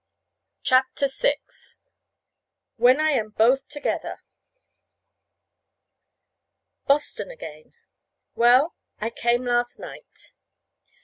CHAPTER VI WHEN I AM BOTH TOGETHER BOSTON AGAIN. Well, I came last night.